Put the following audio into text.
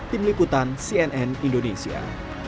tim liputan cnn indonesia